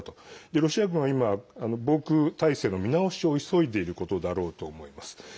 ロシア軍は今防空態勢の見直しを急いでいることだろうと思います。